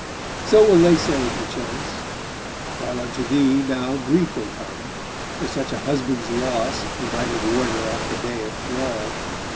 So will they say perchance; while unto thee Now grief will come, for such a husband's loss, Who might have warded off the day of thrall.